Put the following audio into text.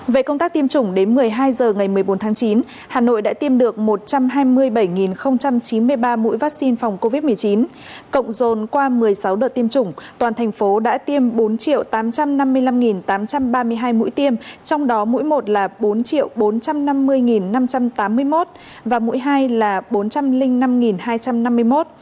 về công tác tiêm chủng đến một mươi hai h ngày một mươi bốn tháng chín hà nội đã tiêm được một trăm hai mươi bảy chín mươi ba mũi vaccine phòng covid một mươi chín cộng dồn qua một mươi sáu đợt tiêm chủng toàn thành phố đã tiêm bốn tám trăm năm mươi năm tám trăm ba mươi hai mũi tiêm trong đó mũi một là bốn bốn trăm năm mươi năm trăm tám mươi một và mũi hai là bốn trăm linh năm hai trăm năm mươi một